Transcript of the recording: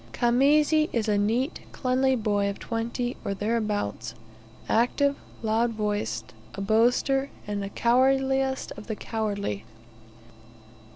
Khamisi is a neat, cleanly boy of twenty, or thereabouts, active, loud voiced, a boaster, and the cowardliest of the cowardly.